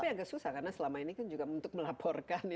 tapi agak susah karena selama ini kan juga untuk melaporkan